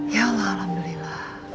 ya allah alhamdulillah